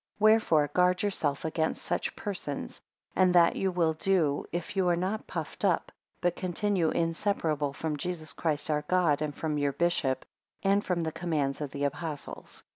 4 Wherefore guard yourself against such persons; and that you will do, if you are not puffed up; but continue inseparable from Jesus Christ our God, and from your bishop, and from the commands of the Apostles.